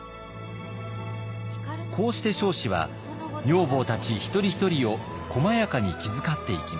こうして彰子は女房たち一人一人を細やかに気遣っていきました。